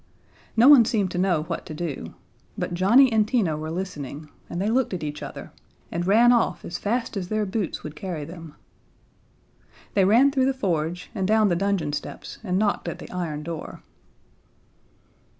No one seemed to know what to do. But Johnnie and Tina were listening, and they looked at each other, and ran off as fast as their boots would carry them. They ran through the forge, and down the dungeon steps, and knocked at the iron door.